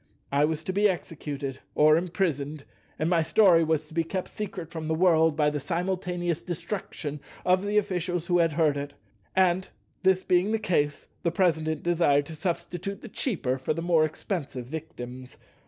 I was to be executed or imprisoned, and my story was to be kept secret from the world by the simultaneous destruction of the officials who had heard it; and, this being the case, the President desired to substitute the cheaper for the more expensive victims.